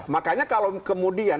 makanya kalau kemudian